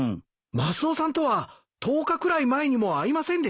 マスオさんとは１０日くらい前にも会いませんでした？